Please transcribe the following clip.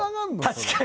確かに。